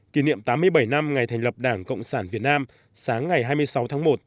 kỷ niệm tám mươi bảy năm ngày thành lập đảng cộng sản việt nam sáng ngày hai mươi sáu tháng một